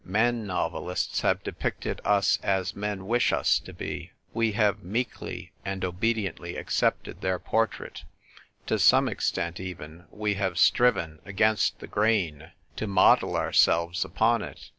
Men novelists have depicted us as men wish us to be ; we have meekly and obediently accepted their portrait : to some extent, even, we have striven, against the grain, to model ourselves upon it.